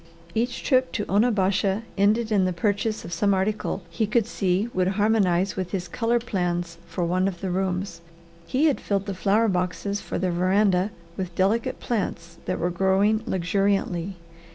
Each trip to Onabasha ended in the purchase of some article he could see would harmonize with his colour plans for one of the rooms. He had filled the flower boxes for the veranda with delicate plants that were growing luxuriantly.